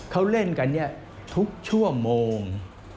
เขาเล่นกันทุกชั่วโมง